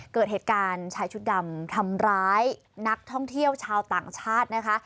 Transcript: เกิดเหตุการณ์ชายชุดดำทำร้ายนักท่องเที่ยวชาวต่างชาตินะคะ